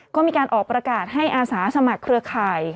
ก็มีการออกประกาศให้อาสาสมัครเครือข่าย